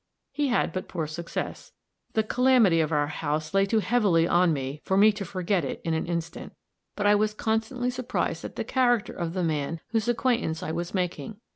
He had but poor success; the calamity of our house lay too heavily on me for me to forget it in an instant; but I was constantly surprised at the character of the man whose acquaintance I was making.